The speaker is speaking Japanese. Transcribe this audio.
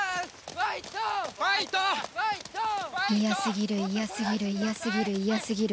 嫌すぎる嫌すぎる嫌すぎる嫌すぎる